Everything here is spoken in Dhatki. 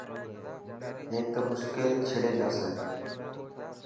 هيڪ ته مشڪل ڇڙي جاسي.